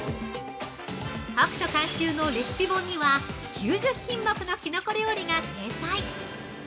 ◆ホクト監修の「レシピ本」には９０品目のきのこ料理が掲載！